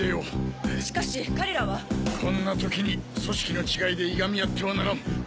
しかし彼らは。こんな時に組織の違いでいがみ合ってはならん。